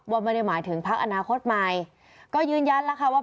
ไม่ได้หมายถึงพักอนาคตใหม่ก็ยืนยันแล้วค่ะว่า